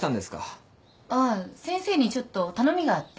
ああ先生にちょっと頼みがあって。